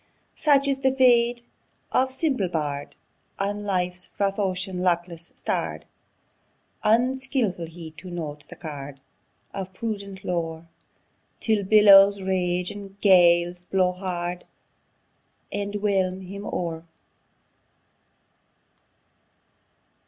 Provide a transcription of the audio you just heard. Such is the fate of simple bard, On life's rough ocean luckless starr'd! Unskilful he to note the card Of prudent lore, Till billows rage, and gales blow hard, And whelm him o'er!